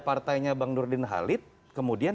partainya bang nurdin halid kemudian